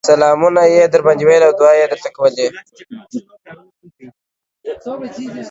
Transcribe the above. سلامونه يې درباندې ويل او دعاوې يې درته کولې